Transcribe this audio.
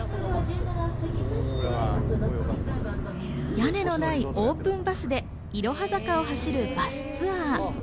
屋根のないオープンバスでいろは坂を走るバスツアー。